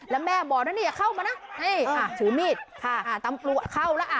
แล้วแม่บอกนะนี่อย่าเข้ามานะนี่ค่ะถือมีดค่ะอ่าตำรวจเข้าแล้วอ่ะ